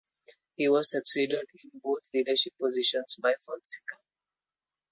He was succeeded in both leadership positions by Fonseca.